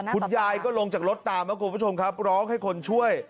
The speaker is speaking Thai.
คุณยายก็ลงจากรถตามครับคุณผู้ชมครับร้องให้คนช่วย